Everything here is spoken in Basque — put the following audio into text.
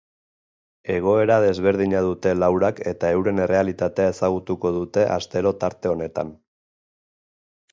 Egoera desberdina dute laurak eta euren errealitatea ezagutuko dute astero tarte honetan.